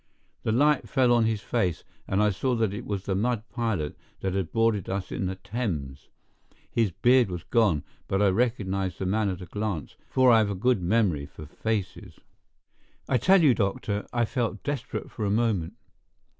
The light fell on his face, and I saw that it was the mud pilot that had boarded us in the Thames. His beard was gone, but I recognized the man at a glance, for I've a good memory for faces. I tell you, doctor, I felt desperate for a moment.